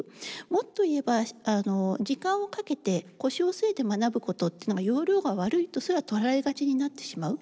もっと言えば時間をかけて腰を据えて学ぶことっていうのが要領が悪いとすら捉えがちになってしまう。